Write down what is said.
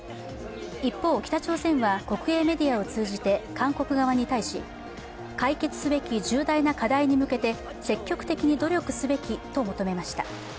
一方、北朝鮮は国営メディアを通じて韓国側に対し、解決すべき重大な課題に向けて積極的に努力すべきと求めました。